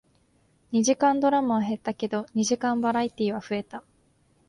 二時間ドラマは減ったけど、二時間バラエティーは増えた